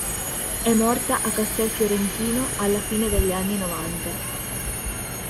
È morta a Castelfiorentino alla fine degli anni novanta.